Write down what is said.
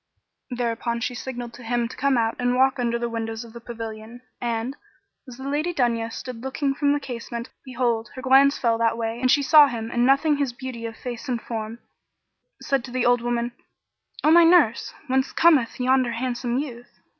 Thereupon she signed to him to come out and walk under the windows of the pavilion, and, as the Lady Dunya stood looking from the casement, behold, her glance fell that way and she saw him and noting his beauty of face and form, said to the old woman, "O my nurse, whence cometh yonder handsome youth?"